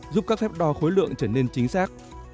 giúp các phép đo khối lượng trở nên chính xác